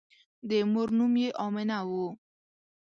د مور نوم یې آمنه وه.